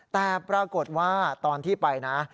แต่ปรากฏว่าตอนที่ไปนะ